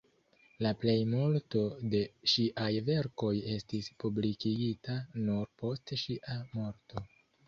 La plejmulto de ŝiaj verkoj estis publikigita nur post ŝia morto.